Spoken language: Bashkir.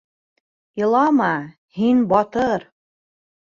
— Илама, һин батыр!